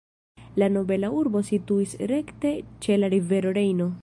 La nobela urbo situis rekte ĉe la rivero Rejno.